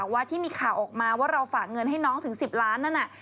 ว่าที่มีข่าวออกมาว่าเราฝากเงินให้น้องถึง๑๐ล้านนั่นน่ะ